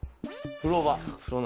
風呂場。